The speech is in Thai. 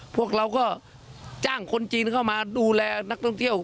พวกเราก็จ้างคนจีนเข้ามาดูแลนักท่องเที่ยว